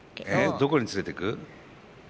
どこに連れてく？